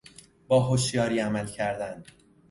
با هشیاری عمل کردن